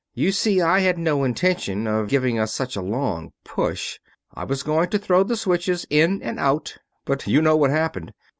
You see, I had no intention of giving us such a long push. I was going to throw the switches in and out, but you know what happened.